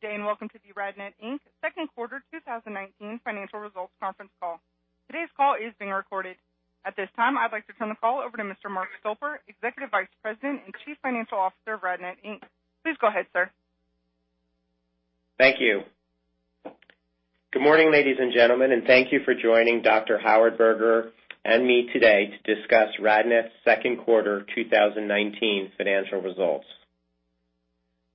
Good day, and welcome to the RadNet, Inc. second quarter 2019 financial results conference call. Today's call is being recorded. At this time, I'd like to turn the call over to Mr. Mark Stolper, Executive Vice President and Chief Financial Officer of RadNet, Inc. Please go ahead, sir. Thank you. Good morning, ladies and gentlemen, and thank you for joining Dr. Howard Berger and me today to discuss RadNet's second quarter 2019 financial results.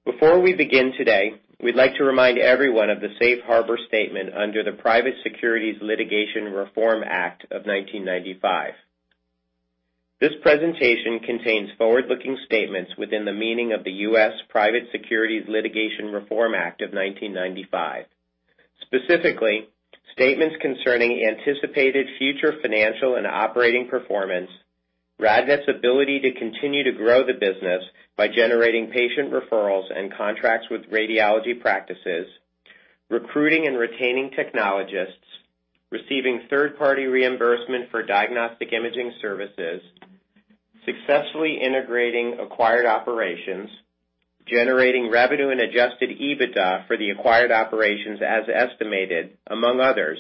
Before we begin today, we'd like to remind everyone of the safe harbor statement under the Private Securities Litigation Reform Act of 1995. This presentation contains forward-looking statements within the meaning of the U.S. Private Securities Litigation Reform Act of 1995. Specifically, statements concerning anticipated future financial and operating performance, RadNet's ability to continue to grow the business by generating patient referrals and contracts with radiology practices, recruiting and retaining technologists, receiving third-party reimbursement for diagnostic imaging services, successfully integrating acquired operations, generating revenue and adjusted EBITDA for the acquired operations as estimated, among others,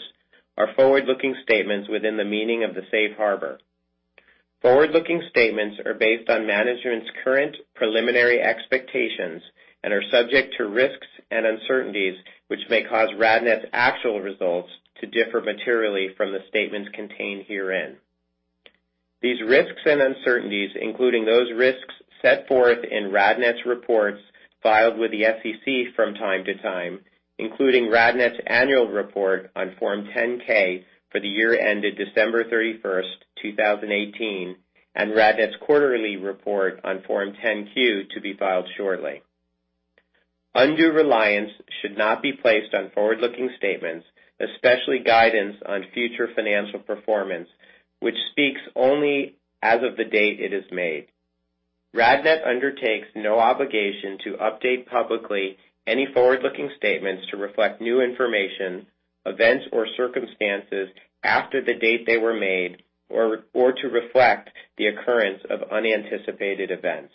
are forward-looking statements within the meaning of the safe harbor. Forward-looking statements are based on management's current preliminary expectations and are subject to risks and uncertainties, which may cause RadNet's actual results to differ materially from the statements contained herein. These risks and uncertainties, including those risks set forth in RadNet's reports filed with the SEC from time to time, including RadNet's annual report on Form 10-K for the year ended December 31, 2018, and RadNet's quarterly report on Form 10-Q to be filed shortly. Undue reliance should not be placed on forward-looking statements, especially guidance on future financial performance, which speaks only as of the date it is made. RadNet undertakes no obligation to update publicly any forward-looking statements to reflect new information, events, or circumstances after the date they were made, or to reflect the occurrence of unanticipated events.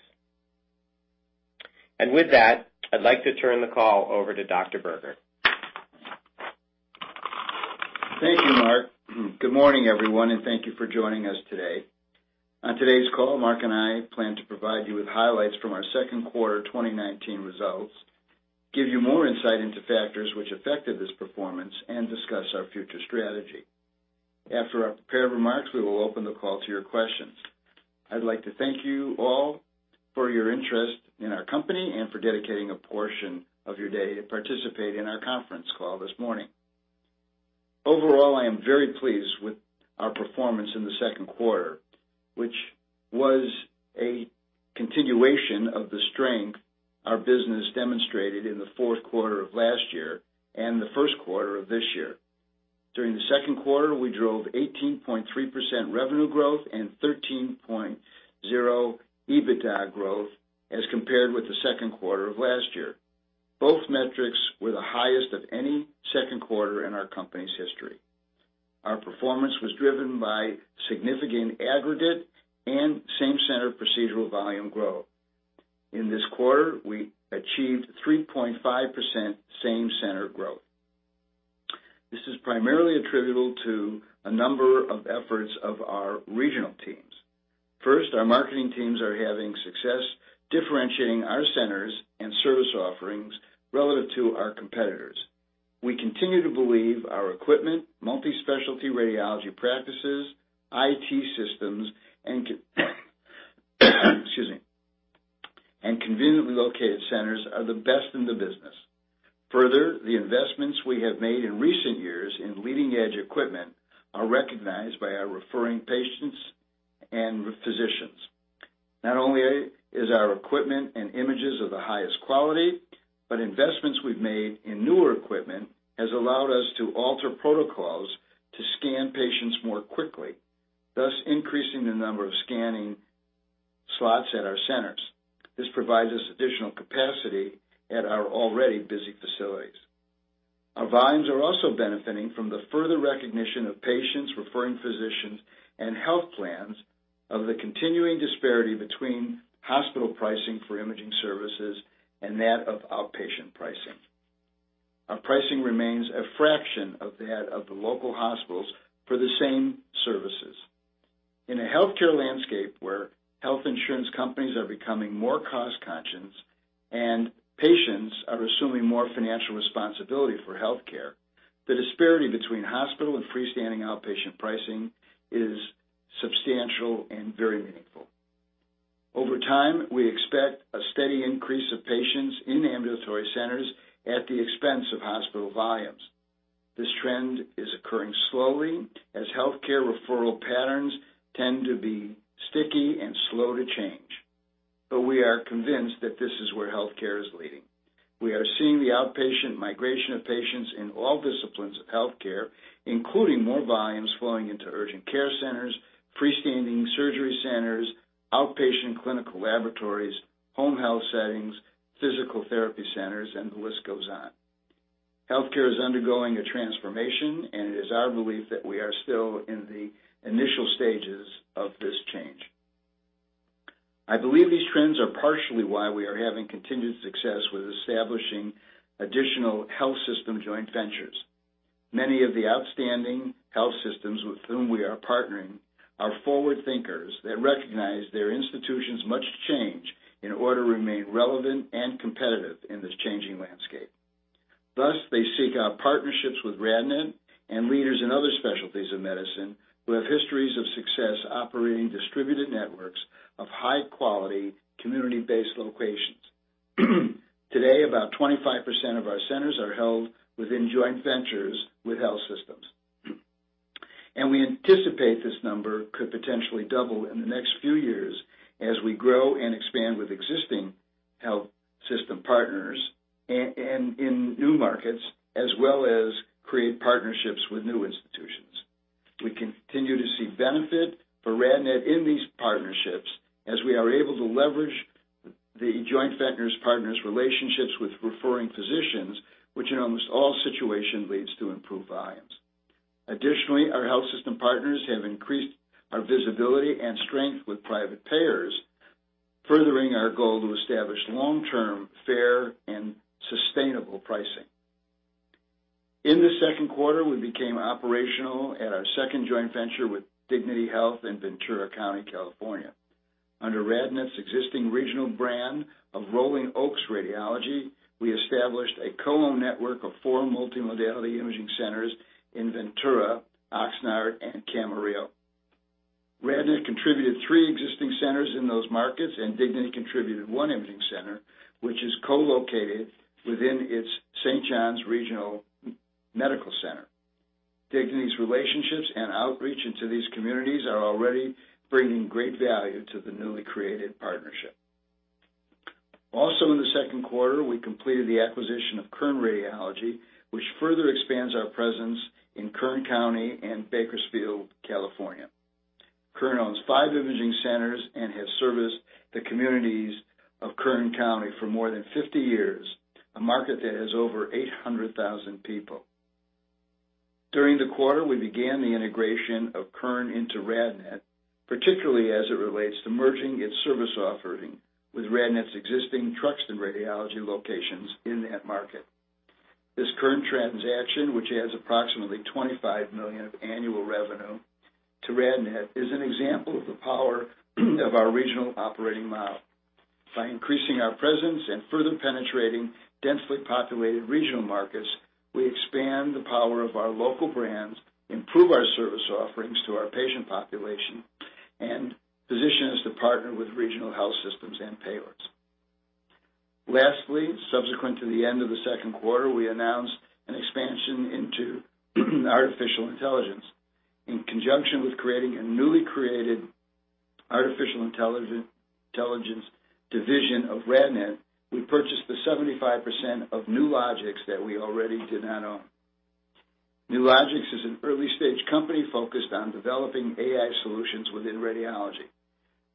With that, I'd like to turn the call over to Dr. Berger. Thank you, Mark. Good morning, everyone, and thank you for joining us today. On today's call, Mark and I plan to provide you with highlights from our second quarter 2019 results, give you more insight into factors which affected this performance, and discuss our future strategy. After our prepared remarks, we will open the call to your questions. I'd like to thank you all for your interest in our company and for dedicating a portion of your day to participate in our conference call this morning. Overall, I am very pleased with our performance in the second quarter, which was a continuation of the strength our business demonstrated in the fourth quarter of last year and the first quarter of this year. During the second quarter, we drove 18.3% revenue growth and 13.0% EBITDA growth as compared with the second quarter of last year. Both metrics were the highest of any second quarter in our company's history. Our performance was driven by significant aggregate and same-center procedural volume growth. In this quarter, we achieved 3.5% same-center growth. This is primarily attributable to a number of efforts of our regional teams. First, our marketing teams are having success differentiating our centers and service offerings relative to our competitors. We continue to believe our equipment, multi-specialty radiology practices, IT systems, and conveniently located centers are the best in the business. The investments we have made in recent years in leading-edge equipment are recognized by our referring patients and physicians. Not only is our equipment and images of the highest quality, investments we've made in newer equipment has allowed us to alter protocols to scan patients more quickly, thus increasing the number of scanning slots at our centers. This provides us additional capacity at our already busy facilities. Our volumes are also benefiting from the further recognition of patients, referring physicians, and health plans of the continuing disparity between hospital pricing for imaging services and that of outpatient pricing. Our pricing remains a fraction of that of the local hospitals for the same services. In a healthcare landscape where health insurance companies are becoming more cost-conscious and patients are assuming more financial responsibility for healthcare, the disparity between hospital and freestanding outpatient pricing is substantial and very meaningful. Over time, we expect a steady increase of patients in ambulatory centers at the expense of hospital volumes. This trend is occurring slowly as healthcare referral patterns tend to be sticky and slow to change. We are convinced that this is where healthcare is leading. We are seeing the outpatient migration of patients in all disciplines of healthcare, including more volumes flowing into urgent care centers, freestanding surgery centers, outpatient clinical laboratories, home health settings, physical therapy centers, and the list goes on. Healthcare is undergoing a transformation, and it is our belief that we are still in the initial stages of this change. I believe these trends are partially why we are having continued success with establishing additional health system joint ventures. Many of the outstanding health systems with whom we are partnering are forward thinkers that recognize their institutions must change in order to remain relevant and competitive in this changing landscape. Thus, they seek out partnerships with RadNet and leaders in other specialties of medicine who have histories of success operating distributed networks of high-quality, community-based locations. Today, about 25% of our centers are held within joint ventures with health systems. We anticipate this number could potentially double in the next few years as we grow and expand with existing health system partners and in new markets, as well as create partnerships with new institutions. We continue to see benefit for RadNet in these partnerships, as we are able to leverage the joint ventures partners' relationships with referring physicians, which in almost all situations leads to improved volumes. Additionally, our health system partners have increased our visibility and strength with private payers, furthering our goal to establish long-term, fair, and sustainable pricing. In the second quarter, we became operational at our second joint venture with Dignity Health in Ventura County, California. Under RadNet's existing regional brand of Rolling Oaks Radiology, we established a co-owned network of four multi-modality imaging centers in Ventura, Oxnard, and Camarillo. RadNet contributed three existing centers in those markets, and Dignity contributed one imaging center, which is co-located within its St. John's Regional Medical Center. Dignity's relationships and outreach into these communities are already bringing great value to the newly created partnership. Also, in the second quarter, we completed the acquisition of Kern Radiology, which further expands our presence in Kern County and Bakersfield, California. Kern owns five imaging centers and has serviced the communities of Kern County for more than 50 years, a market that has over 800,000 people. During the quarter, we began the integration of Kern into RadNet, particularly as it relates to merging its service offering with RadNet's existing Truxtun Radiology locations in that market. This current transaction, which adds approximately $25 million of annual revenue to RadNet, is an example of the power of our regional operating model. By increasing our presence and further penetrating densely populated regional markets, we expand the power of our local brands, improve our service offerings to our patient population, and position us to partner with regional health systems and payers. Lastly, subsequent to the end of the second quarter, we announced an expansion into artificial intelligence. In conjunction with creating a newly created artificial intelligence division of RadNet, we purchased the 75% of Nulogix that we already did not own. Nulogix is an early-stage company focused on developing AI solutions within radiology.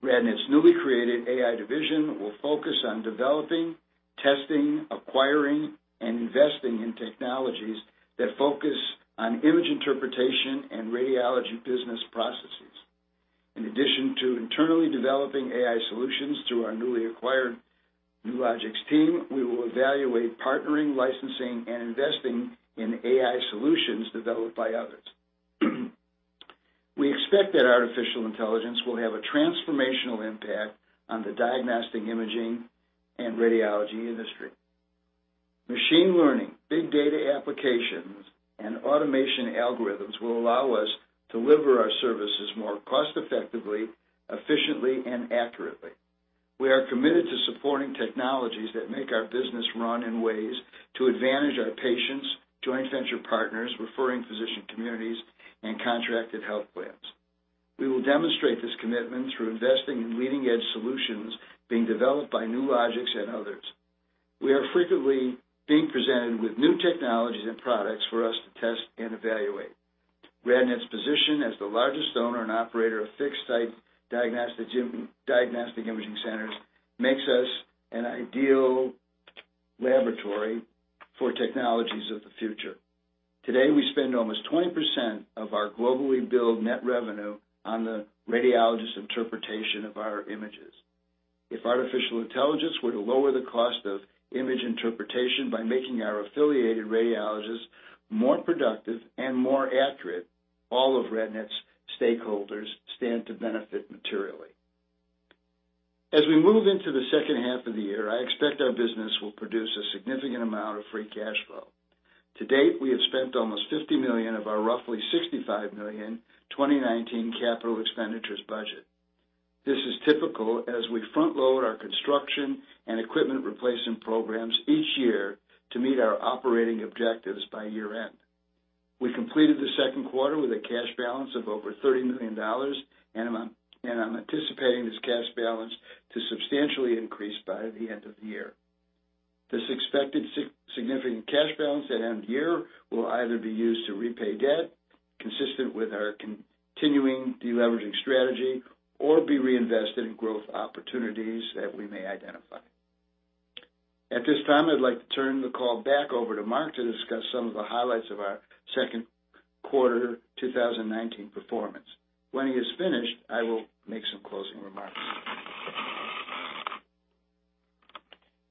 RadNet's newly created AI division will focus on developing, testing, acquiring, and investing in technologies that focus on image interpretation and radiology business processes. In addition to internally developing AI solutions through our newly acquired Nulogix team, we will evaluate partnering, licensing, and investing in AI solutions developed by others. We expect that artificial intelligence will have a transformational impact on the diagnostic imaging and radiology industry. Machine learning, big data applications, and automation algorithms will allow us to deliver our services more cost-effectively, efficiently, and accurately. We are committed to supporting technologies that make our business run in ways to advantage our patients, joint venture partners, referring physician communities, and contracted health plans. We will demonstrate this commitment through investing in leading-edge solutions being developed by Nulogix and others. We are frequently being presented with new technologies and products for us to test and evaluate. RadNet's position as the largest owner and operator of fixed-site diagnostic imaging centers makes us an ideal laboratory for technologies of the future. Today, we spend almost 20% of our globally billed net revenue on the radiologist interpretation of our images. If artificial intelligence were to lower the cost of image interpretation by making our affiliated radiologists more productive and more accurate, all of RadNet's stakeholders stand to benefit materially. As we move into the second half of the year, I expect our business will produce a significant amount of free cash flow. To date, we have spent almost $50 million of our roughly $65 million 2019 capital expenditures budget. This is typical as we front-load our construction and equipment replacement programs each year to meet our operating objectives by year-end. We completed the second quarter with a cash balance of over $30 million, and I'm anticipating this cash balance to substantially increase by the end of the year. This expected significant cash balance at end year will either be used to repay debt, consistent with our continuing deleveraging strategy or be reinvested in growth opportunities that we may identify. At this time, I'd like to turn the call back over to Mark to discuss some of the highlights of our second quarter 2019 performance. When he is finished, I will make some closing remarks.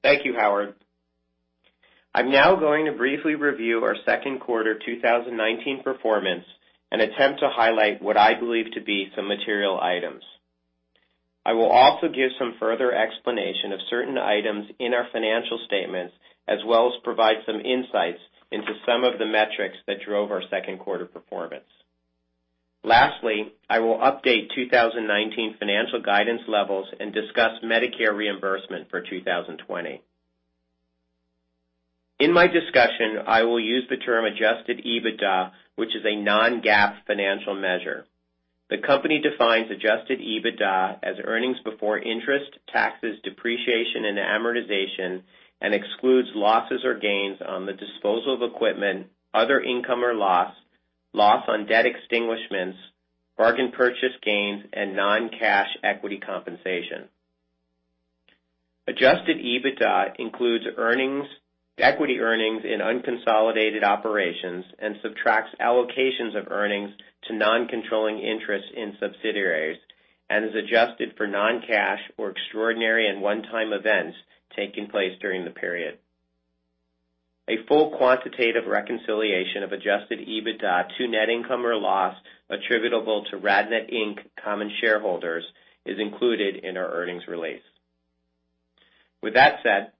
Thank you, Howard. I'm now going to briefly review our second quarter 2019 performance and attempt to highlight what I believe to be some material items. I will also give some further explanation of certain items in our financial statements, as well as provide some insights into some of the metrics that drove our second quarter performance. Lastly, I will update 2019 financial guidance levels and discuss Medicare reimbursement for 2020. In my discussion, I will use the term adjusted EBITDA, which is a non-GAAP financial measure. The company defines adjusted EBITDA as earnings before interest, taxes, depreciation, and amortization, and excludes losses or gains on the disposal of equipment, other income or loss on debt extinguishments, bargain purchase gains, and non-cash equity compensation. Adjusted EBITDA includes equity earnings in unconsolidated operations and subtracts allocations of earnings to non-controlling interests in subsidiaries and is adjusted for non-cash or extraordinary and one-time events taking place during the period. A full quantitative reconciliation of adjusted EBITDA to net income or loss attributable to RadNet, Inc. common shareholders is included in our earnings release. With that said,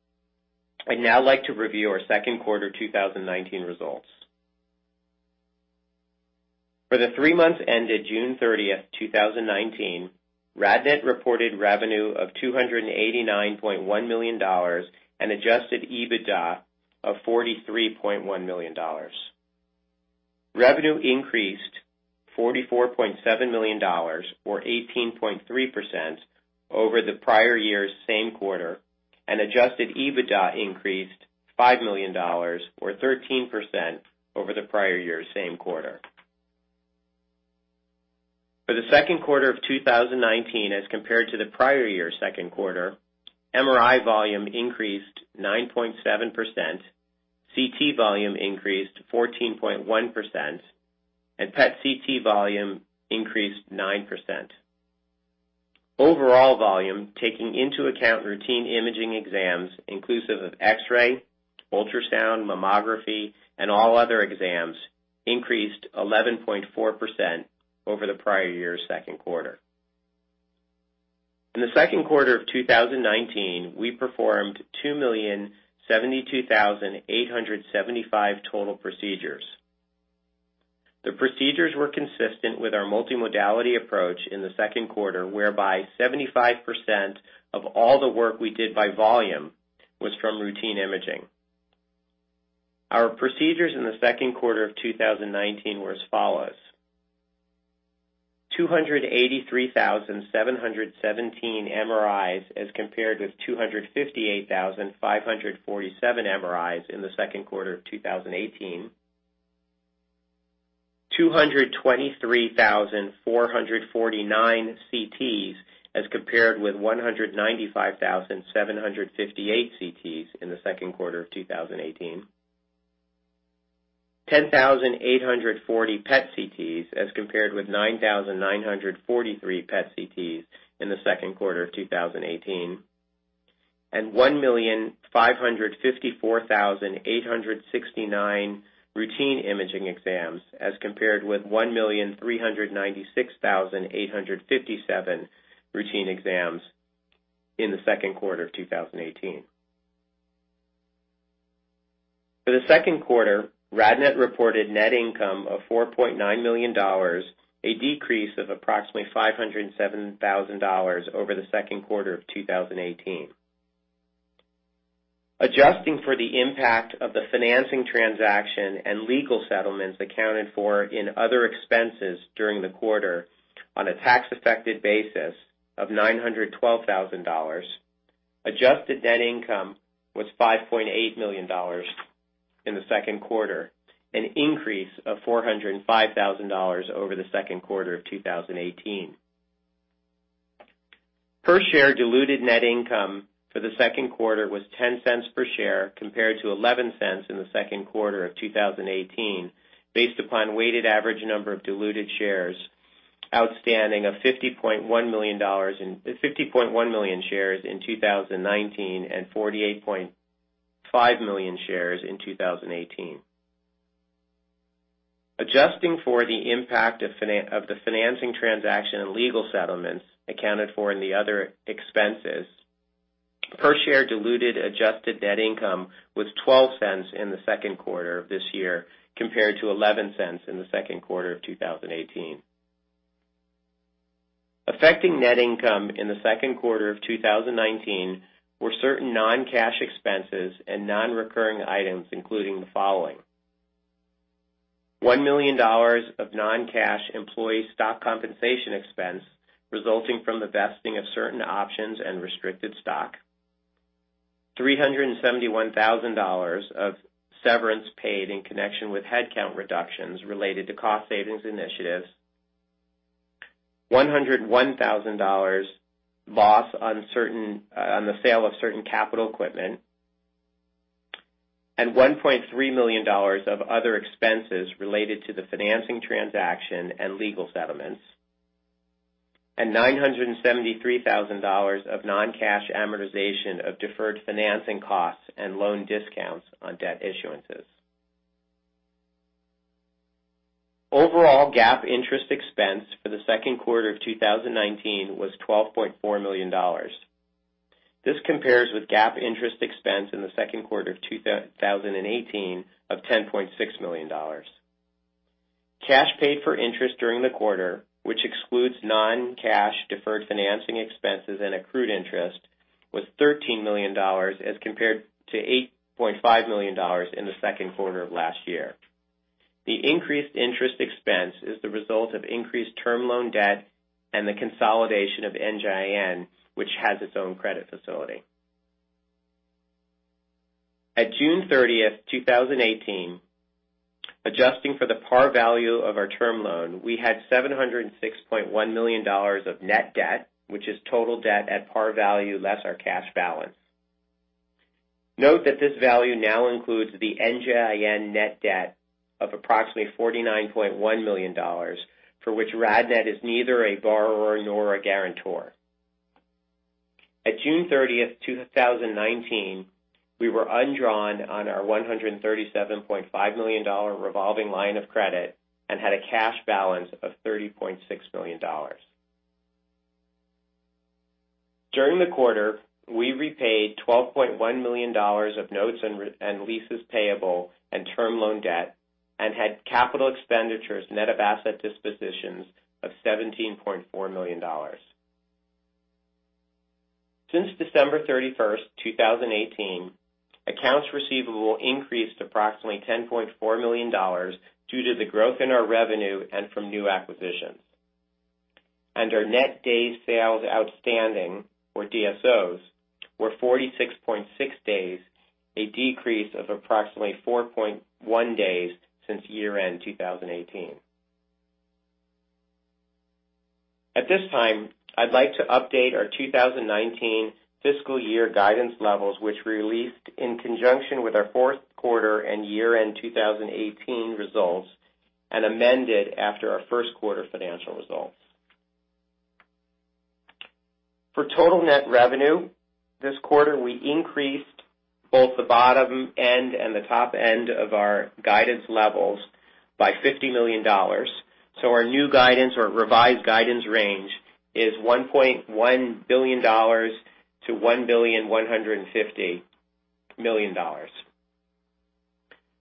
I'd now like to review our second quarter 2019 results. For the three months ended June 30th, 2019, RadNet reported revenue of $289.1 million and adjusted EBITDA of $43.1 million. Revenue increased $44.7 million or 18.3% over the prior year's same quarter, and adjusted EBITDA increased $5 million or 13% over the prior year's same quarter. For the second quarter of 2019 as compared to the prior year's second quarter, MRI volume increased 9.7%, CT volume increased 14.1%, and PET CT volume increased 9%. Overall volume, taking into account routine imaging exams inclusive of X-ray, ultrasound, mammography, and all other exams, increased 11.4% over the prior year's second quarter. In the second quarter of 2019, we performed 2,072,875 total procedures. The procedures were consistent with our multimodality approach in the second quarter, whereby 75% of all the work we did by volume was from routine imaging. Our procedures in the second quarter of 2019 were as follows: 283,717 MRIs as compared with 258,547 MRIs in the second quarter of 2018, 223,449 CTs as compared with 195,758 CTs in the second quarter of 2018, 10,840 PET CTs as compared with 9,943 PET CTs in the second quarter of 2018, and 1,554,869 routine imaging exams as compared with 1,396,857 routine exams in the second quarter of 2018. For the second quarter, RadNet reported net income of $4.9 million, a decrease of approximately $507,000 over the second quarter of 2018. Adjusting for the impact of the financing transaction and legal settlements accounted for in other expenses during the quarter on a tax-affected basis of $912,000, adjusted net income was $5.8 million in the second quarter, an increase of $405,000 over the second quarter of 2018. Per share diluted net income for the second quarter was $0.10 per share compared to $0.11 in the second quarter of 2018, based upon weighted average number of diluted shares outstanding of 50.1 million shares in 2019 and 48.5 million shares in 2018. Adjusting for the impact of the financing transaction and legal settlements accounted for in the other expenses, per share diluted adjusted net income was $0.12 in the second quarter of this year, compared to $0.11 in the second quarter of 2018. Affecting net income in the second quarter of 2019 were certain non-cash expenses and non-recurring items, including the following: $1 million of non-cash employee stock compensation expense resulting from the vesting of certain options and restricted stock, $371,000 of severance paid in connection with headcount reductions related to cost savings initiatives, $101,000 loss on the sale of certain capital equipment, and $1.3 million of other expenses related to the financing transaction and legal settlements, and $973,000 of non-cash amortization of deferred financing costs and loan discounts on debt issuances. Overall, GAAP interest expense for the second quarter of 2019 was $12.4 million. This compares with GAAP interest expense in the second quarter of 2018 of $10.6 million. Cash paid for interest during the quarter, which excludes non-cash deferred financing expenses and accrued interest, was $13 million as compared to $8.5 million in the second quarter of last year. The increased interest expense is the result of increased term loan debt and the consolidation of NGIN, which has its own credit facility. At June 30th, 2018, adjusting for the par value of our term loan, we had $706.1 million of net debt, which is total debt at par value less our cash balance. Note that this value now includes the NGIN net debt of approximately $49.1 million, for which RadNet is neither a borrower nor a guarantor. At June 30th, 2019, we were undrawn on our $137.5 million revolving line of credit and had a cash balance of $30.6 million. During the quarter, we repaid $12.1 million of notes and leases payable and term loan debt and had capital expenditures net of asset dispositions of $17.4 million. Since December 31, 2018, accounts receivable increased approximately $10.4 million due to the growth in our revenue and from new acquisitions. Our net days sales outstanding, or DSOs, were 46.6 days, a decrease of approximately 4.1 days since year-end 2018. At this time, I'd like to update our 2019 fiscal year guidance levels, which we released in conjunction with our fourth quarter and year-end 2018 results and amended after our first quarter financial results. For total net revenue this quarter, we increased both the bottom end and the top end of our guidance levels by $50 million. Our new guidance or revised guidance range is $1.1 billion to $1.150 billion.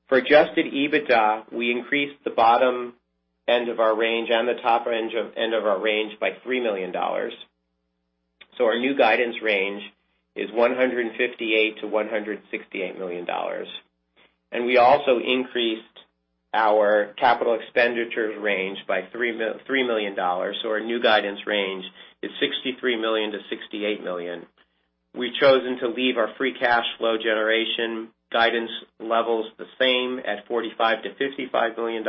For adjusted EBITDA, we increased the bottom end of our range and the top end of our range by $3 million. Our new guidance range is $158 million-$168 million. We also increased our capital expenditures range by $3 million. Our new guidance range is $63 million-$68 million. We've chosen to leave our free cash flow generation guidance levels the same at $45 million-$55 million,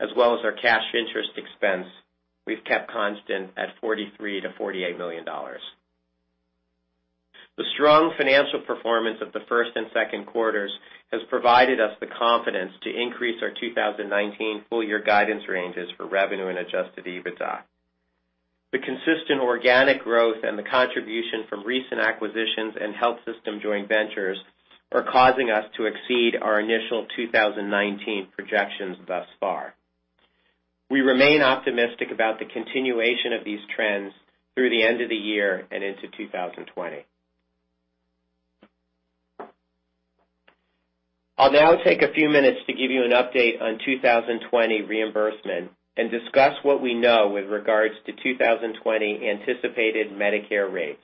as well as our cash interest expense we've kept constant at $43 million-$48 million. The strong financial performance of the first and second quarters has provided us the confidence to increase our 2019 full year guidance ranges for revenue and adjusted EBITDA. The consistent organic growth and the contribution from recent acquisitions and health system joint ventures are causing us to exceed our initial 2019 projections thus far. We remain optimistic about the continuation of these trends through the end of the year and into 2020. I'll now take a few minutes to give you an update on 2020 reimbursement and discuss what we know with regards to 2020 anticipated Medicare rates.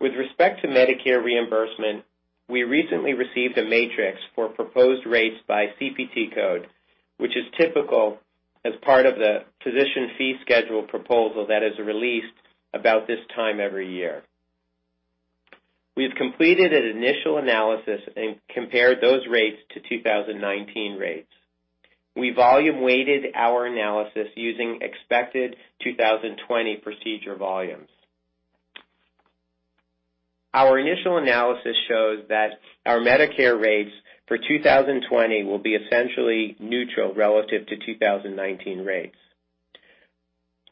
With respect to Medicare reimbursement, we recently received a matrix for proposed rates by CPT code, which is typical as part of the physician fee schedule proposal that is released about this time every year. We've completed an initial analysis and compared those rates to 2019 rates. We volume weighted our analysis using expected 2020 procedure volumes. Our initial analysis shows that our Medicare rates for 2020 will be essentially neutral relative to 2019 rates.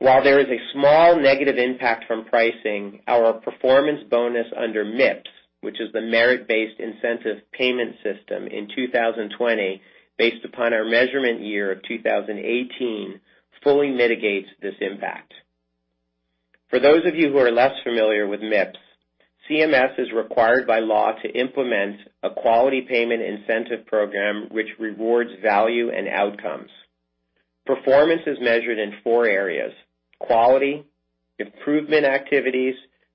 While there is a small negative impact from pricing, our performance bonus under MIPS, which is the Merit-based Incentive Payment System, in 2020, based upon our measurement year of 2018, fully mitigates this impact. For those of you who are less familiar with MIPS, CMS is required by law to implement a quality payment incentive program which rewards value and outcomes. Performance is measured in four areas: quality, improvement activities,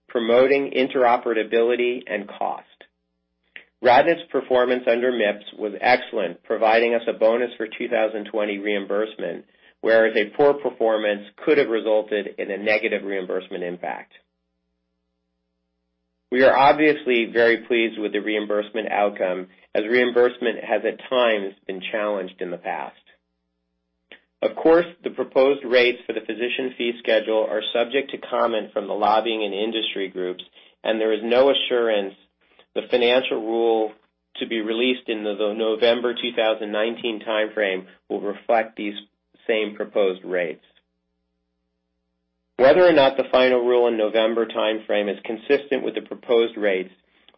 promoting interoperability, and cost. RadNet's performance under MIPS was excellent, providing us a bonus for 2020 reimbursement, whereas a poor performance could have resulted in a negative reimbursement impact. We are obviously very pleased with the reimbursement outcome, as reimbursement has at times been challenged in the past. Of course, the proposed rates for the physician fee schedule are subject to comment from the lobbying and industry groups, and there is no assurance the financial rule to be released in the November 2019 timeframe will reflect these same proposed rates. Whether or not the final rule in November timeframe is consistent with the proposed rates,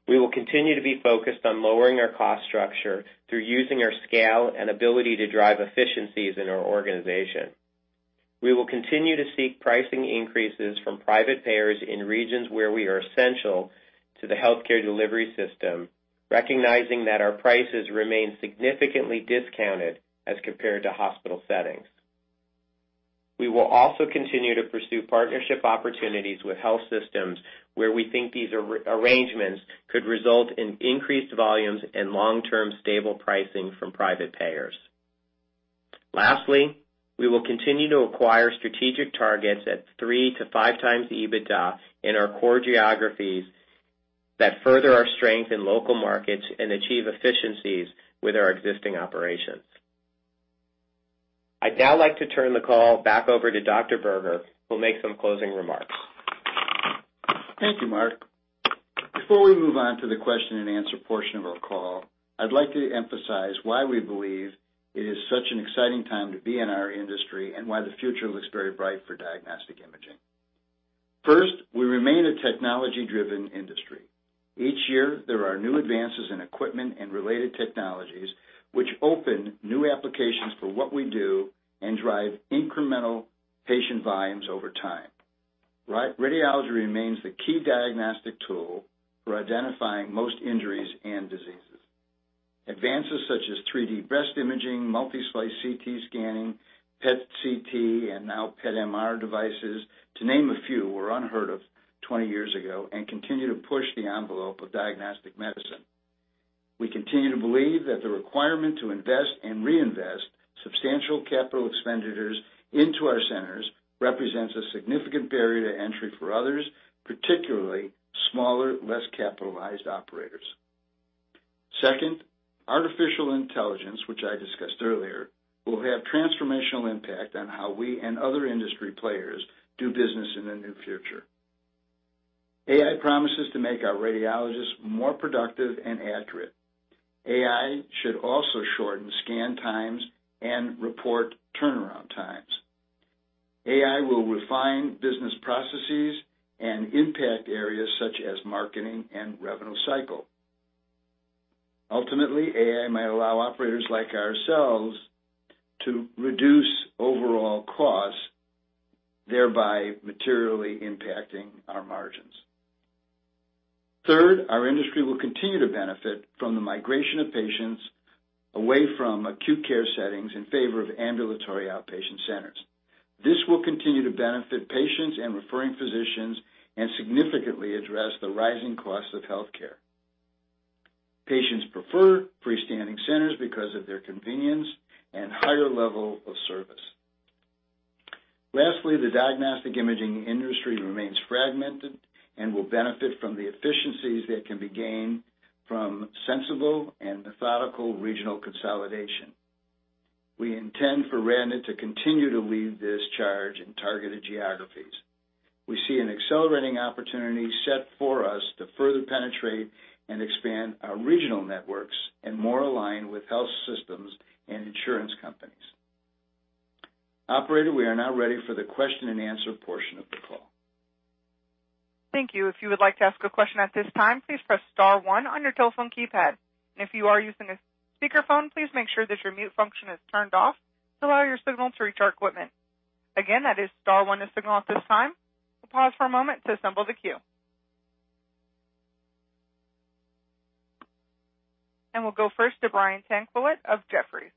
we will continue to be focused on lowering our cost structure through using our scale and ability to drive efficiencies in our organization. We will continue to seek pricing increases from private payers in regions where we are essential to the healthcare delivery system, recognizing that our prices remain significantly discounted as compared to hospital settings. We will also continue to pursue partnership opportunities with health systems where we think these arrangements could result in increased volumes and long-term stable pricing from private payers. Lastly, we will continue to acquire strategic targets at three to five times the EBITDA in our core geographies that further our strength in local markets and achieve efficiencies with our existing operations. I'd now like to turn the call back over to Dr. Berger, who'll make some closing remarks. Thank you, Mark. Before we move on to the question and answer portion of our call, I'd like to emphasize why we believe it is such an exciting time to be in our industry, and why the future looks very bright for diagnostic imaging. First, we remain a technology-driven industry. Each year, there are new advances in equipment and related technologies, which open new applications for what we do and drive incremental patient volumes over time. Radiology remains the key diagnostic tool for identifying most injuries and diseases. Advances such as 3D breast imaging, multi-slice CT scanning, PET CT, and now PET MR devices, to name a few, were unheard of 20 years ago and continue to push the envelope of diagnostic medicine. We continue to believe that the requirement to invest and reinvest substantial capital expenditures into our centers represents a significant barrier to entry for others, particularly smaller, less capitalized operators. Second, artificial intelligence, which I discussed earlier, will have transformational impact on how we and other industry players do business in the new future. AI promises to make our radiologists more productive and accurate. AI should also shorten scan times and report turnaround times. AI will refine business processes and impact areas such as marketing and revenue cycle. Ultimately, AI might allow operators like ourselves to reduce overall costs, thereby materially impacting our margins. Third, our industry will continue to benefit from the migration of patients away from acute care settings in favor of ambulatory outpatient centers. This will continue to benefit patients and referring physicians and significantly address the rising cost of healthcare. Patients prefer freestanding centers because of their convenience and higher level of service. Lastly, the diagnostic imaging industry remains fragmented and will benefit from the efficiencies that can be gained from sensible and methodical regional consolidation. We intend for RadNet to continue to lead this charge in targeted geographies. We see an accelerating opportunity set for us to further penetrate and expand our regional networks and more align with health systems and insurance companies. Operator, we are now ready for the question-and-answer portion of the call. Thank you. If you would like to ask a question at this time, please press star 1 on your telephone keypad. If you are using a speakerphone, please make sure that your mute function is turned off to allow your signal to reach our equipment. Again, that is star 1 to signal at this time. We'll pause for a moment to assemble the queue. We'll go first to Brian Tanquilut of Jefferies.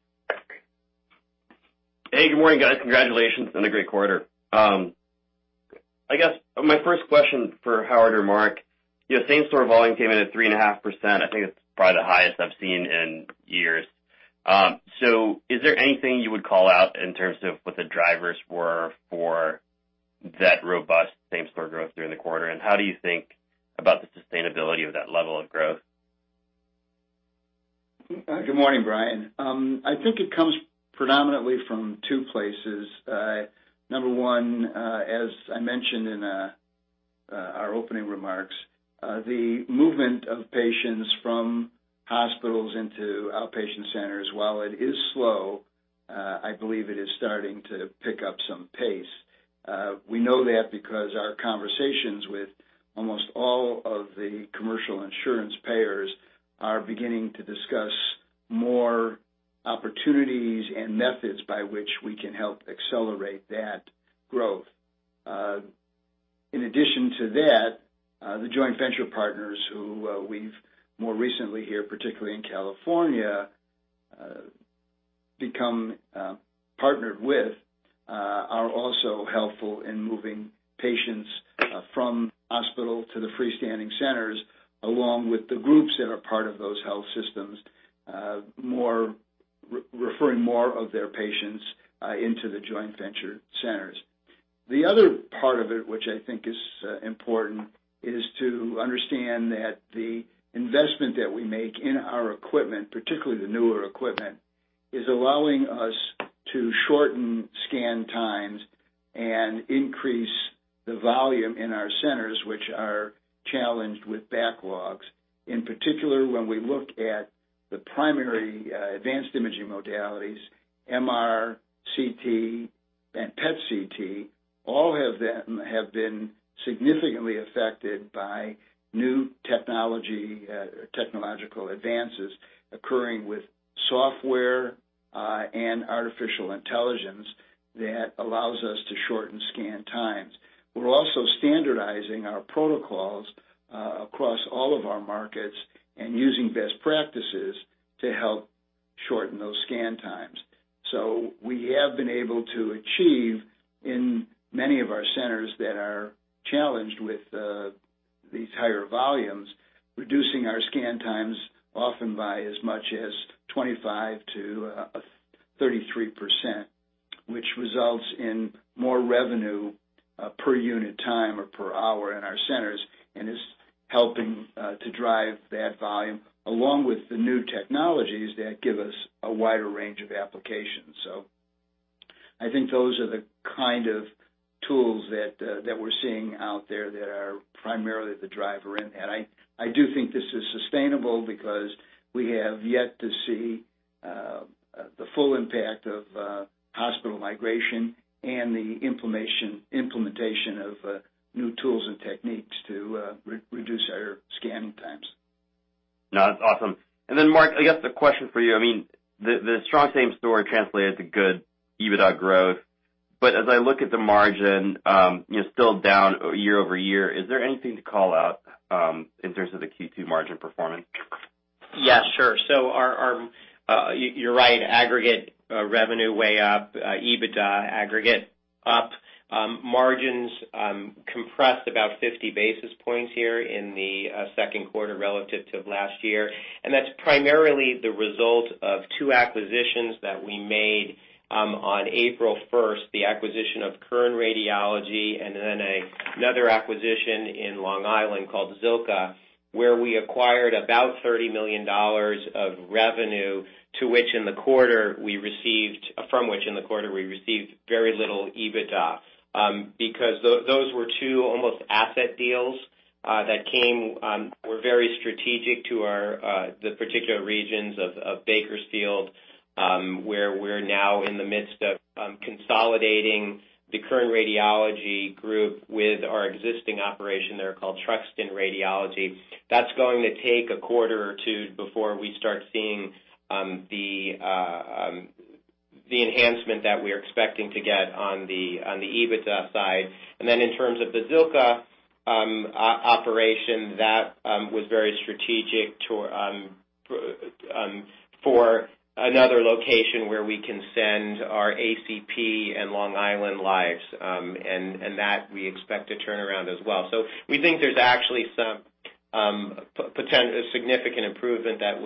Hey, good morning, guys. Congratulations on a great quarter. I guess my first question for Howard or Mark, same-store volume came in at 3.5%. I think it's probably the highest I've seen in years. Is there anything you would call out in terms of what the drivers were for that robust same-store growth during the quarter, and how do you think about the sustainability of that level of growth? Good morning, Brian. I think it comes predominantly from two places. Number one, as I mentioned in our opening remarks, the movement of patients from hospitals into outpatient centers, while it is slow, I believe it is starting to pick up some pace. We know that because our conversations with almost all of the commercial insurance payers are beginning to discuss more opportunities and methods by which we can help accelerate that growth. In addition to that, the joint venture partners who we've more recently here, particularly in California become partnered with are also helpful in moving patients from hospital to the freestanding centers, along with the groups that are part of those health systems, referring more of their patients into the joint venture centers. The other part of it, which I think is important, is to understand that the investment that we make in our equipment, particularly the newer equipment, is allowing us to shorten scan times and increase the volume in our centers, which are challenged with backlogs. In particular, when we look at the primary advanced imaging modalities, MR, CT, and PET CT, all have been significantly affected by new technological advances occurring with software and artificial intelligence that allows us to shorten scan times. We're also standardizing our protocols across all of our markets and using best practices to help shorten those scan times. We have been able to achieve, in many of our centers that are challenged with these higher volumes, reducing our scan times often by as much as 25% to 33%, which results in more revenue per unit time or per hour in our centers, and is helping to drive that volume along with the new technologies that give us a wider range of applications. I think those are the kind of tools that we're seeing out there that are primarily the driver. I do think this is sustainable because we have yet to see the full impact of hospital migration and the implementation of new tools and techniques to reduce our scanning times. No, that's awesome. Mark, I guess the question for you, the strong same-store translated to good EBITDA growth. As I look at the margin still down year-over-year, is there anything to call out in terms of the Q2 margin performance? Yeah, sure. You're right, aggregate revenue way up, EBITDA aggregate up. Margins compressed about 50 basis points here in the second quarter relative to last year. That's primarily the result of two acquisitions that we made on April 1st, the acquisition of Kern Radiology and then another acquisition in Long Island called Zilkha Radiology, where we acquired about $30 million of revenue, from which in the quarter we received very little EBITDA. Those were two almost asset deals that were very strategic to the particular regions of Bakersfield, where we're now in the midst of consolidating the Kern Radiology Medical Group with our existing operation there called Truxtun Radiology. That's going to take a quarter or two before we start seeing the enhancement that we're expecting to get on the EBITDA side. In terms of the Zilkha operation, that was very strategic for another location where we can send our ACP and Long Island lives, and that we expect to turn around as well. We think there's actually some significant improvement that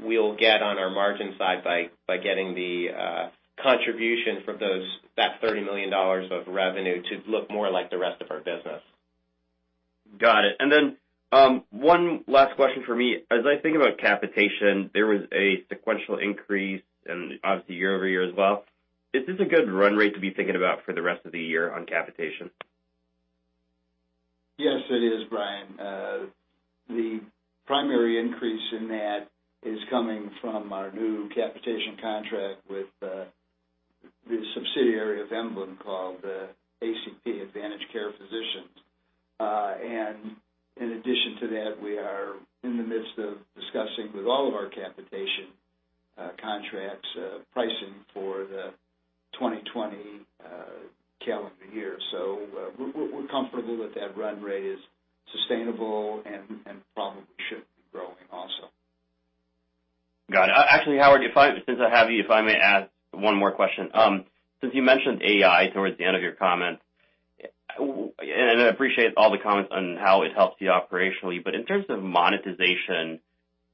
we'll get on our margin side by getting the contribution from that $30 million of revenue to look more like the rest of our business. Got it. One last question from me. As I think about capitation, there was a sequential increase and obviously year-over-year as well. Is this a good run rate to be thinking about for the rest of the year on capitation? Yes, it is, Brian. The primary increase in that is coming from our new capitation contract with the subsidiary of Emblem called ACP, AdvantageCare Physicians. In addition to that, we are in the midst of discussing with all of our capitation contracts pricing for the 2020 calendar year. We're comfortable that that run rate is sustainable and probably should be growing also. Got it. Actually, Howard, since I have you, if I may add one more question. Since you mentioned AI towards the end of your comment, and I appreciate all the comments on how it helps you operationally, but in terms of monetization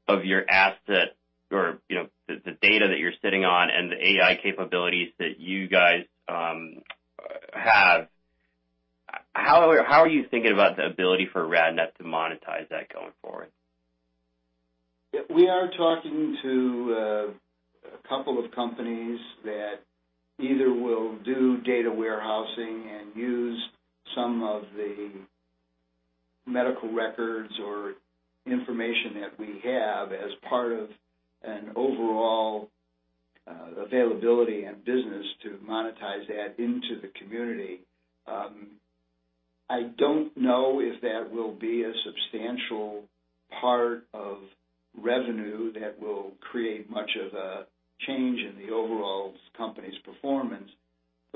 of your asset or the data that you're sitting on and the AI capabilities that you guys have, how are you thinking about the ability for RadNet to monetize that going forward? We are talking to a couple of companies that either will do data warehousing and use some of the medical records or information that we have as part of an overall availability and business to monetize that into the community. I don't know if that will be a substantial part of revenue that will create much of a change in the overall performance,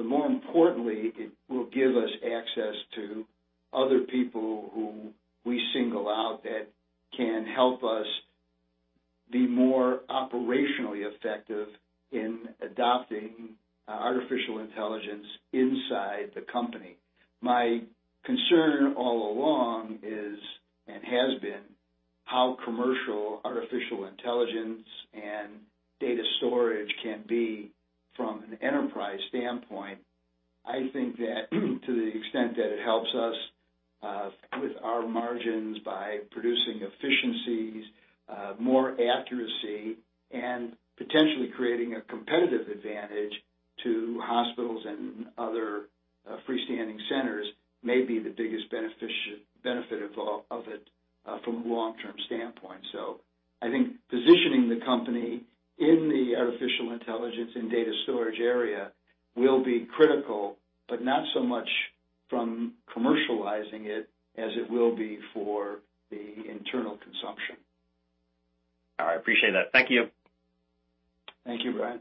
more importantly, it will give us access to other people who we single out that can help us be more operationally effective in adopting artificial intelligence inside the company. My concern all along is, and has been, how commercial artificial intelligence and data storage can be from an enterprise standpoint. I think that to the extent that it helps us with our margins by producing efficiencies, more accuracy, and potentially creating a competitive advantage to hospitals and other freestanding centers, may be the biggest benefit of it from a long-term standpoint. I think positioning the company in the artificial intelligence and data storage area will be critical, but not so much from commercializing it as it will be for the internal consumption. All right. Appreciate that. Thank you. Thank you, Brian.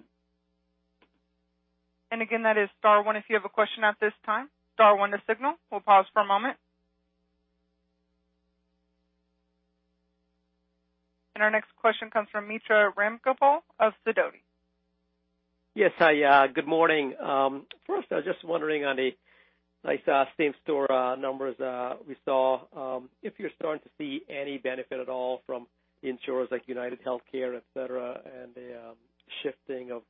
Again, that is star one if you have a question at this time, star one to signal. We'll pause for a moment. Our next question comes from Mitra Ramgopal of Sidoti. Yes. Good morning. First, I was just wondering on the nice same-store numbers we saw, if you're starting to see any benefit at all from insurers like UnitedHealthcare, et cetera, and the shifting of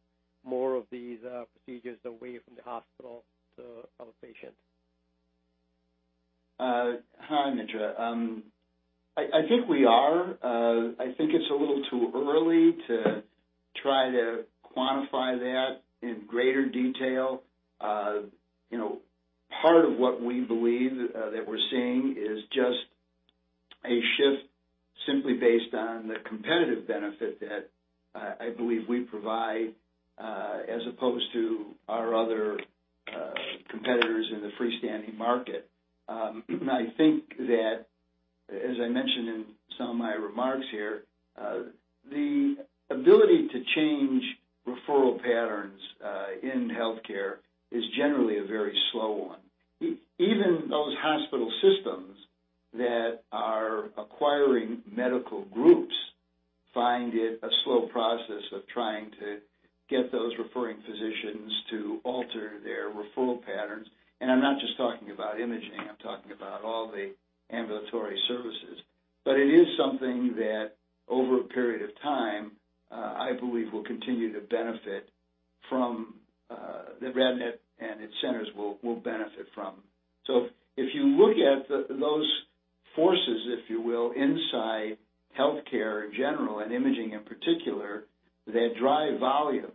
more of these procedures away from the hospital to outpatient. Hi, Mitra. I think we are. I think it's a little too early to try to quantify that in greater detail. Part of what we believe that we're seeing is just a shift simply based on the competitive benefit that I believe we provide, as opposed to our other competitors in the freestanding market. I think that, as I mentioned in some of my remarks here, the ability to change referral patterns in healthcare is generally a very slow one. Even those hospital systems that are acquiring medical groups find it a slow process of trying to get those referring physicians to alter their referral patterns. I'm not just talking about imaging, I'm talking about all the ambulatory services. It is something that over a period of time, I believe will continue to benefit from, that RadNet and its centers will benefit from. If you look at those forces, if you will, inside healthcare in general and imaging in particular, that drive volume.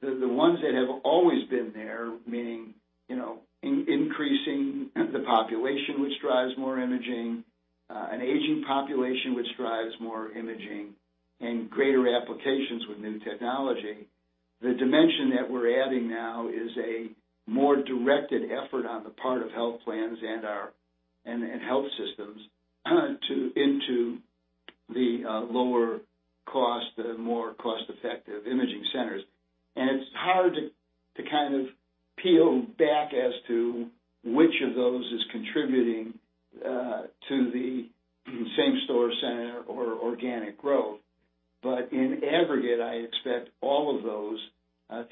The ones that have always been there, meaning increasing the population, which drives more imaging, an aging population which drives more imaging, and greater applications with new technology. The dimension that we're adding now is a more directed effort on the part of health plans and health systems into the lower cost, the more cost-effective imaging centers. It's hard to kind of peel back as to which of those is contributing to the same-store center or organic growth. In aggregate, I expect all of those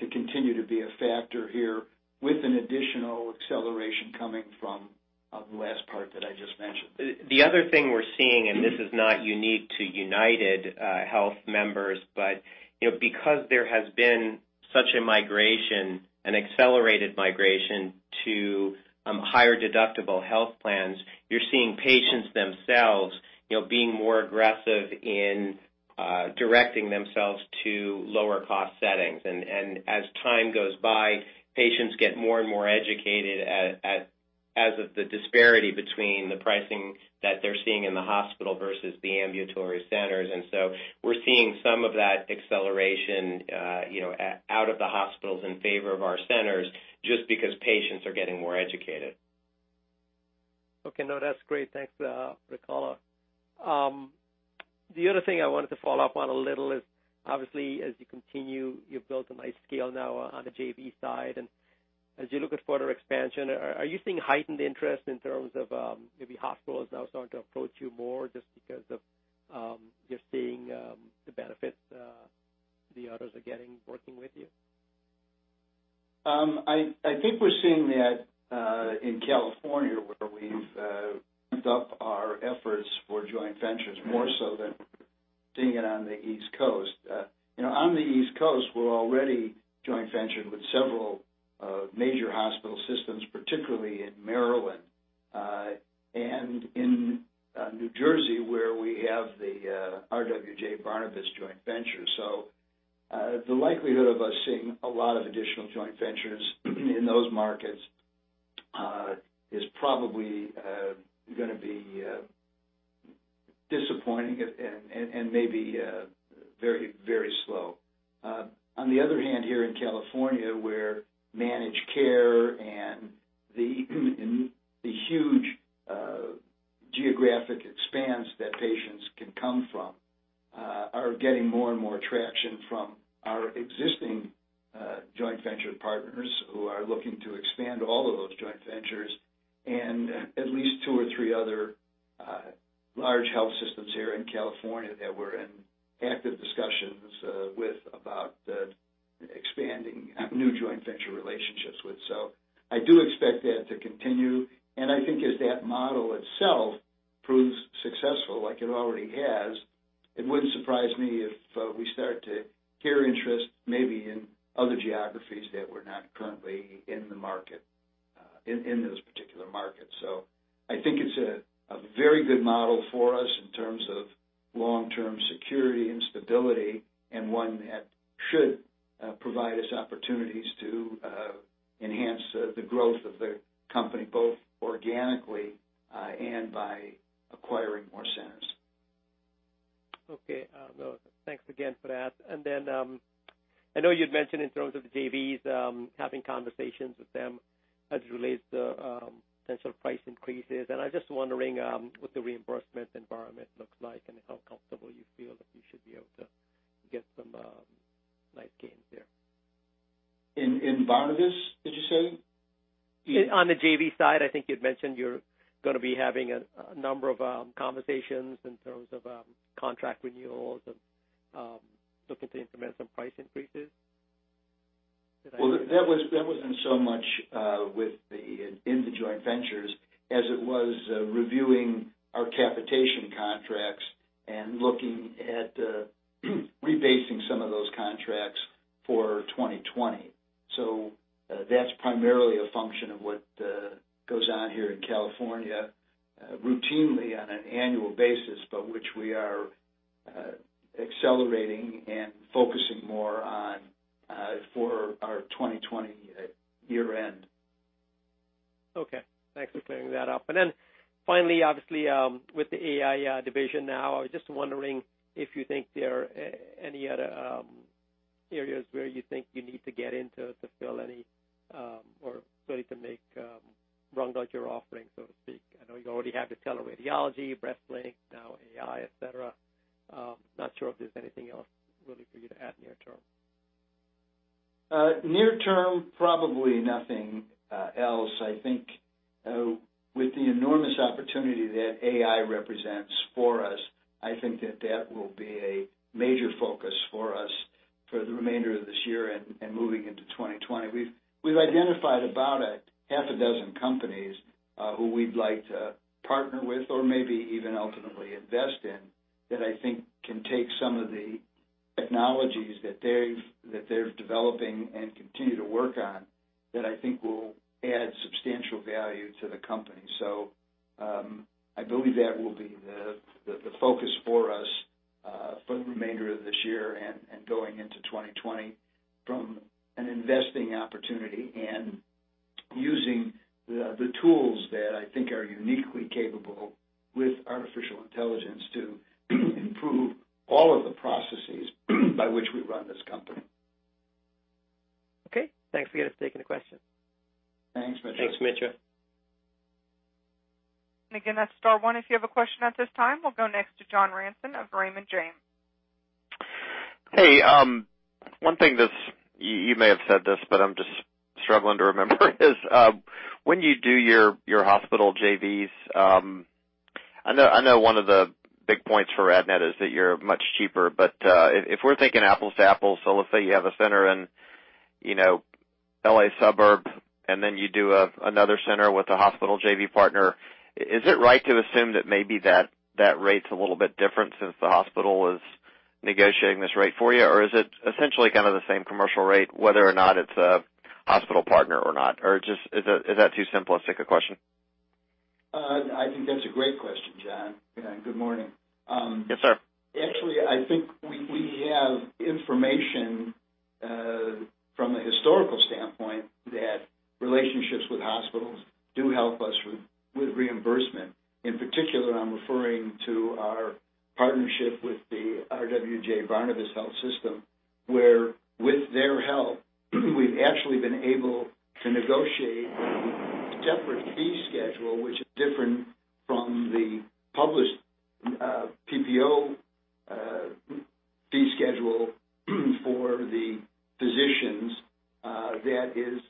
to continue to be a factor here with an additional acceleration coming from the last part that I just mentioned. The other thing we're seeing, this is not unique to UnitedHealth members, but because there has been such a migration, an accelerated migration to higher deductible health plans, you're seeing patients themselves being more aggressive in directing themselves to lower-cost settings. As time goes by, patients get more and more educated as of the disparity between the pricing that they're seeing in the hospital versus the ambulatory centers. We're seeing some of that acceleration out of the hospitals in favor of our centers, just because patients are getting more educated. Okay. No, that's great. Thanks, Mark. The other thing I wanted to follow up on a little is obviously as you continue, you've built a nice scale now on the JV side. As you look at further expansion, are you seeing heightened interest in terms of maybe hospitals now starting to approach you more just because of they're seeing the benefits the others are getting working with you? I think we're seeing that in California, where we've ramped up our efforts for joint ventures more so than seeing it on the East Coast. On the East Coast, we're already joint ventured with several major hospital systems, particularly in Maryland, and in New Jersey, where we have the RWJBarnabas joint venture. The likelihood of us seeing a lot of additional joint ventures in those markets is probably going to be disappointing and may be very slow. On the other hand, here in California, where managed care and the huge geographic expanse that patients can come from are getting more and more traction from our existing joint venture partners who are looking to expand all of those joint ventures and at least two or three other large health systems here in California that we're in active discussions with about expanding new joint venture relationships with. I do expect that to continue, and I think as that model itself proves successful, like it already has, it wouldn't surprise me if we start to hear interest maybe in other geographies that we're not currently in those particular markets. I think it's a very good model for us in terms of long-term security and stability, and one that should provide us opportunities to enhance the growth of the company, both organically and by acquiring more centers. Okay. Thanks again for that. I know you'd mentioned in terms of the JVs, having conversations with them as it relates to potential price increases, and I was just wondering what the reimbursement environment looks like and how comfortable you feel that you should be able to get some nice gains there. In RWJBarnabas, did you say? On the JV side, I think you'd mentioned you're going to be having a number of conversations in terms of contract renewals and looking to implement some price increases. Did I hear? Well, that wasn't so much in the joint ventures as it was reviewing our capitation contracts and looking at rebasing some of those contracts for 2020. That's primarily a function of what goes on here in California routinely on an annual basis, but which we are accelerating and focusing more on for our 2020 year-end. Okay. Thanks for clearing that up. Finally, obviously, with the AI division now, I was just wondering if you think there are any other areas where you think you need to get into to fill any, or so you can round out your offering, so to speak. I know you already have the teleradiology, Breastlink, now AI, et cetera. Not sure if there's anything else really for you to add near-term. Near-term, probably nothing else. I think with the enormous opportunity that AI represents for us, I think that that will be a major focus for us for the remainder of this year and moving into 2020. We've identified about a half a dozen companies who we'd like to partner with or maybe even ultimately invest in that I think can take some of the technologies that they're developing and continue to work on that I think will add substantial value to the company. I believe that will be the focus for us for the remainder of this year and going into 2020 from an investing opportunity and using the tools that I think are uniquely capable with artificial intelligence to improve all of the processes by which we run this company. Okay. Thanks again for taking the question. Thanks, Mitra. Thanks, Mitra. Again, that's star 1 if you have a question at this time. We'll go next to John Ransom of Raymond James. Hey. One thing, you may have said this, but I'm just struggling to remember is when you do your hospital JVs, I know one of the big points for RadNet is that you're much cheaper. If we're thinking apples to apples, so let's say you have a center in L.A. suburb, and then you do another center with a hospital JV partner. Is it right to assume that maybe that rate's a little bit different since the hospital is negotiating this rate for you? Is it essentially the same commercial rate, whether or not it's a hospital partner or not? Is that too simplistic a question? I think that's a great question, John. Good morning. Yes, sir. Actually, I think we have information from a historical standpoint that relationships with hospitals do help us with reimbursement. In particular, I'm referring to our partnership with the RWJBarnabas Health system, where with their help, we've actually been able to negotiate a separate fee schedule which is different from the published PPO fee schedule for the physicians that is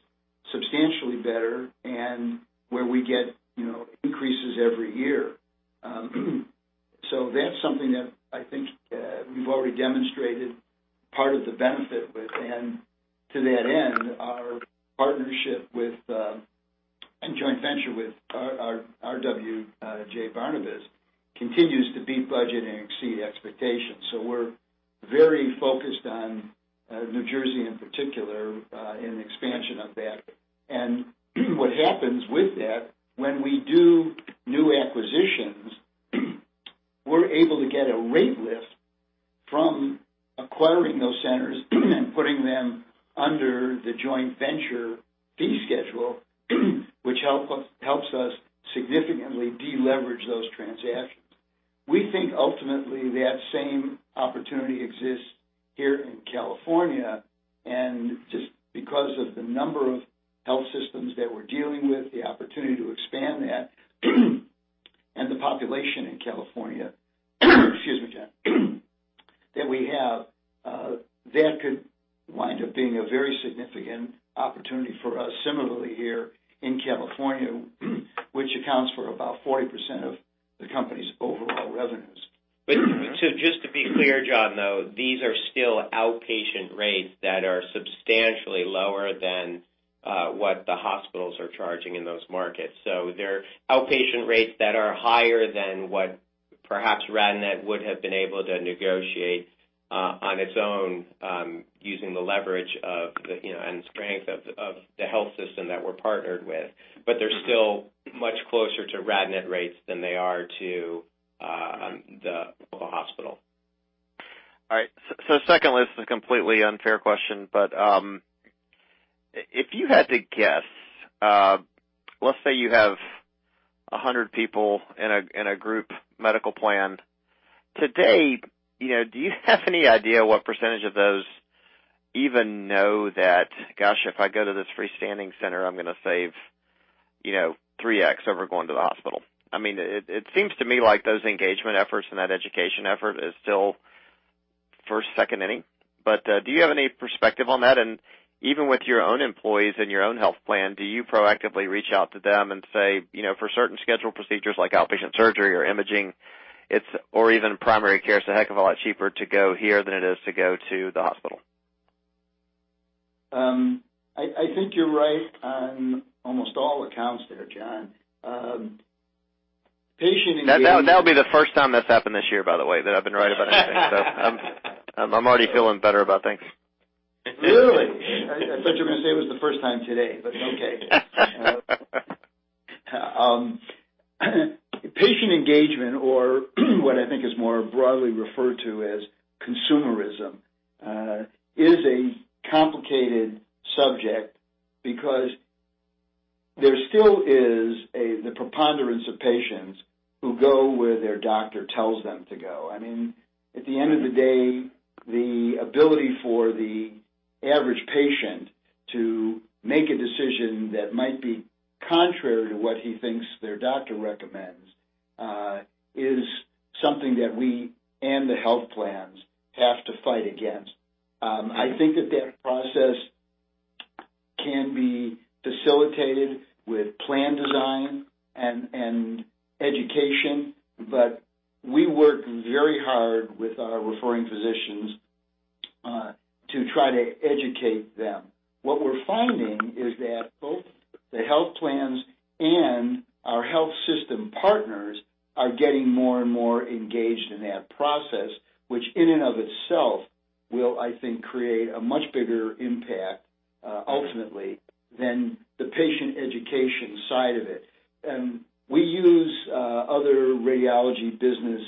even know that, gosh, if I go to this freestanding center, I'm going to save three X over going to the hospital? It seems to me like those engagement efforts and that education effort is still first, second inning, but, do you have any perspective on that? Even with your own employees and your own health plan, do you proactively reach out to them and say, for certain scheduled procedures like outpatient surgery or imaging, or even primary care, it's a heck of a lot cheaper to go here than it is to go to the hospital? I think you're right on almost all accounts there, John. That would be the first time that's happened this year, by the way, that I've been right about anything. I'm already feeling better about things. Really? I thought you were going to say it was the first time today, but it's okay. Patient engagement or what I think is more broadly referred to as consumerism, is a complicated subject because there still is the preponderance of patients who go where their doctor tells them to go. At the end of the day, the ability for the average patient to make a decision that might be contrary to what he thinks their doctor recommends, is something that we and the health plans have to fight against. I think that process can be facilitated with plan design and education, but we work very hard with our referring physicians to try to educate them. What we're finding is that both the health plans and our health system partners are getting more and more engaged in that process, which in and of itself will, I think, create a much bigger impact, ultimately, than the patient education side of it. We use other radiology business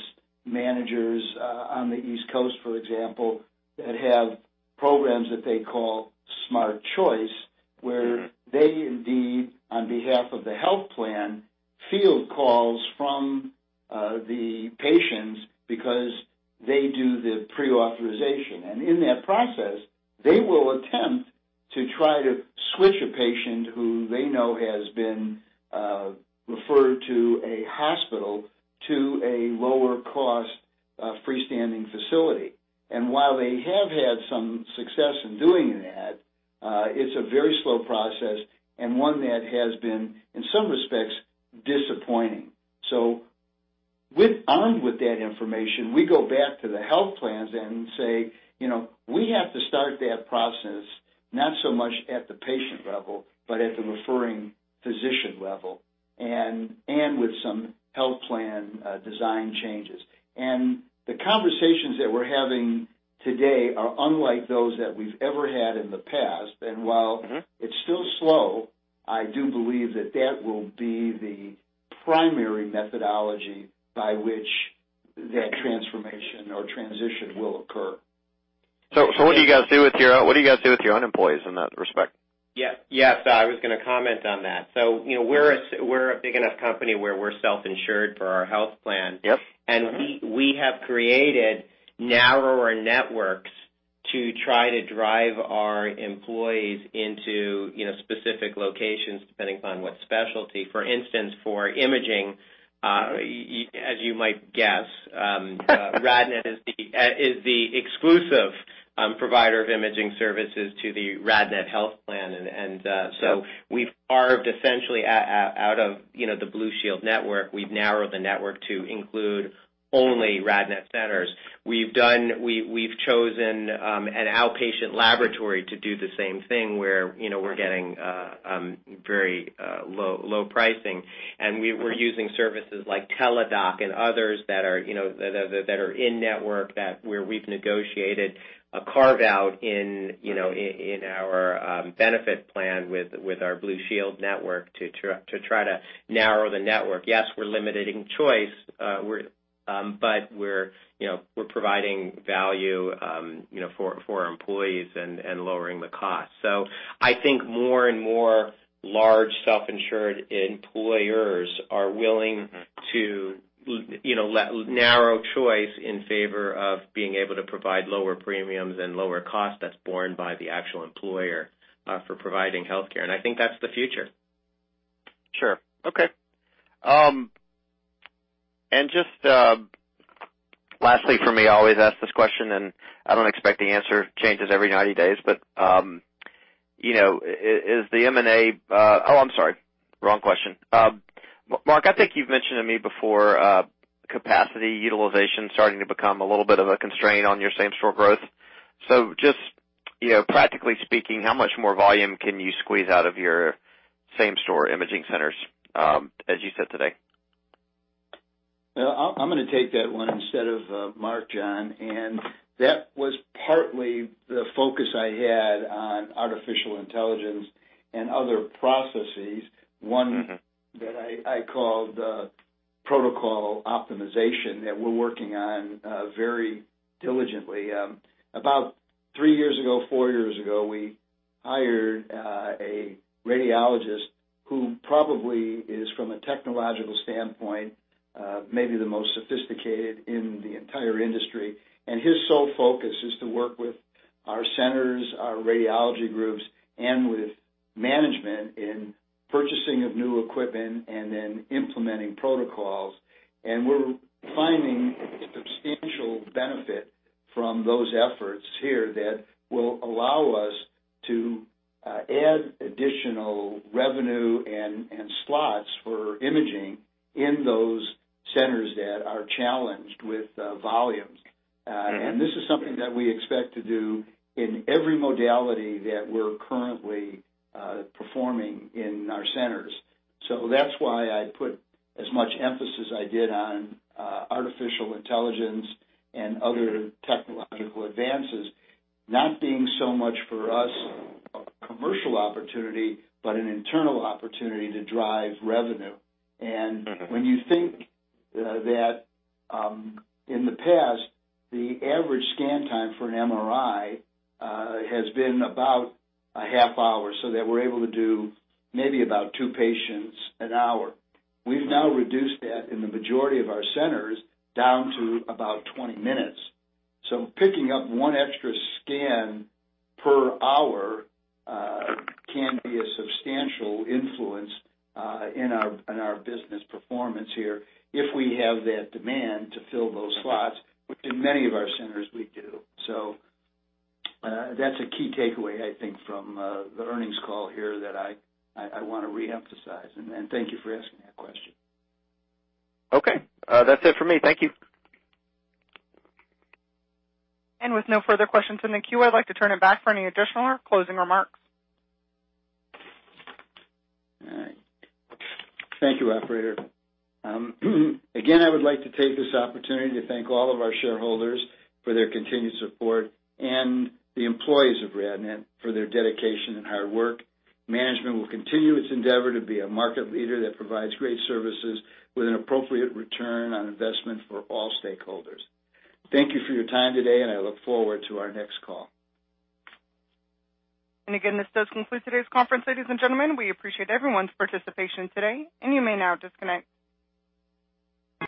managers on the East Coast, for example, that have programs that they call Smart Choice, where they indeed, on behalf of the health plan, field calls from the patients because they do the pre-authorization. In that process, they will attempt to try to switch a patient who they know has been referred to a hospital to a lower-cost freestanding facility. While they have had some success in doing that, it's a very slow process and one that has been, in some respects, disappointing. With armed with that information, we go back to the health plans and say, "We have to start that process, not so much at the patient level, but at the referring physician level, and with some health plan design changes." The conversations that we're having today are unlike those that we've ever had in the past. While it's still slow, I do believe that that will be the primary methodology by which that transformation or transition will occur. What do you guys do with your own employees in that respect? Yes, I was going to comment on that. We're a big enough company where we're self-insured for our health plan. Yep. Mm-hmm. We have created narrower networks to try to drive our employees into specific locations, depending upon what specialty. For instance, for imaging, as you might guess, RadNet is the exclusive provider of imaging services to the RadNet health plan. We've carved essentially out of the Blue Shield network. We've narrowed the network to include only RadNet centers. We've chosen an outpatient laboratory to do the same thing, where we're getting very low pricing, and we're using services like Teladoc and others that are in network, that where we've negotiated a carve-out in our benefit plan with our Blue Shield network to try to narrow the network. Yes, we're limiting choice. We're providing value for our employees and lowering the cost. I think more and more large self-insured employers are willing to narrow choice in favor of being able to provide lower premiums and lower cost that's borne by the actual employer for providing healthcare. I think that's the future. Sure. Okay. Just lastly from me, I always ask this question, and I don't expect the answer changes every 90 days. Oh, I'm sorry. Wrong question. Mark, I think you've mentioned to me before capacity utilization starting to become a little bit of a constraint on your same-store growth. Just practically speaking, how much more volume can you squeeze out of your same-store imaging centers, as you said today? I'm going to take that one instead of Mark, John, and that was partly the focus I had on artificial intelligence and other processes. One that I call the protocol optimization that we're working on very diligently. About three years ago, four years ago, we hired a radiologist who probably is, from a technological standpoint, maybe the most sophisticated in the entire industry, and his sole focus is to work with our centers, our radiology groups, and with management in purchasing of new equipment and then implementing protocols. We're finding substantial benefit from those efforts here that will allow us to add additional revenue and slots for imaging in those centers that are challenged with volumes. This is something that we expect to do in every modality that we're currently performing in our centers. That's why I put as much emphasis I did on artificial intelligence and other technological advances, not being so much for us a commercial opportunity, but an internal opportunity to drive revenue. When you think that in the past, the average scan time for an MRI has been about a half hour, so that we're able to do maybe about two patients an hour. We've now reduced that in the majority of our centers down to about 20 minutes. Picking up one extra scan per hour can be a substantial influence in our business performance here if we have that demand to fill those slots, which in many of our centers, we do. That's a key takeaway, I think, from the earnings call here that I want to reemphasize, and thank you for asking that question. Okay. That's it for me. Thank you. With no further questions in the queue, I'd like to turn it back for any additional closing remarks. All right. Thank you, operator. Again, I would like to take this opportunity to thank all of our shareholders for their continued support and the employees of RadNet for their dedication and hard work. Management will continue its endeavor to be a market leader that provides great services with an appropriate ROI for all stakeholders. Thank you for your time today, and I look forward to our next call. Again, this does conclude today's conference, ladies and gentlemen. We appreciate everyone's participation today, and you may now disconnect.